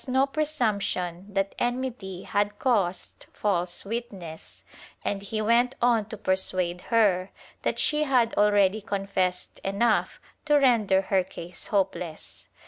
6) 48 THE TRIAL [Book VI no presumption that enmity had caused false witness, and he went on to persuade her that she had already confessed enough to render her case hopeless.